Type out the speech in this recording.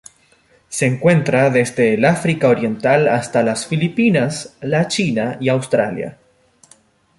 Se encuentra desde el África Oriental hasta las Filipinas, la China y Australia.